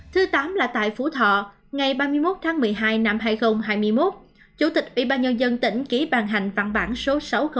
thứ tám là tại phú thọ ngày ba mươi một tháng một mươi hai năm hai nghìn hai mươi một chủ tịch ủy ban nhân dân tỉnh ký bàn hành văn bản số sáu nghìn ba mươi hai